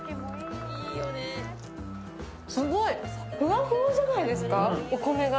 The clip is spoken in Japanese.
すごい、ふわふわじゃないですか、お米が。